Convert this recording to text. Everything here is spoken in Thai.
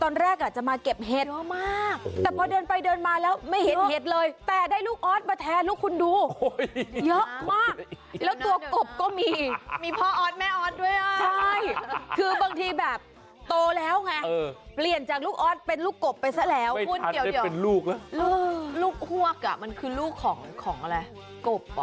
ข้างโค๊กอ่ะตอนไปช้อนอ่ะหน้าตามันจะแตกต่างกันน่ะเนอะมันจะดำน้ำข้างโค๊กอ่ะเออ